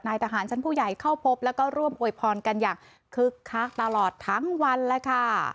ทหารชั้นผู้ใหญ่เข้าพบแล้วก็ร่วมอวยพรกันอย่างคึกคักตลอดทั้งวันแล้วค่ะ